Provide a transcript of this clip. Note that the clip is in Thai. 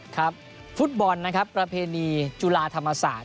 ครับฟุตบอลนะครับประเพณีจุฬาธรรมศาสต